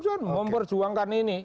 tidak memperjuangkan ini